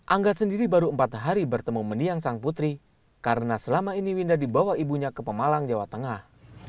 angga sendiri baru empat hari bertemu meniang sang putri karena selama ini winda dibawa ibunya ke pemalang jawa tengah